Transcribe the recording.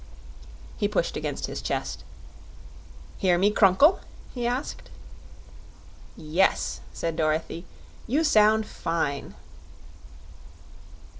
He pushed against his chest. "Hear me crunkle?" he asked. "Yes," said Dorothy; "you sound fine."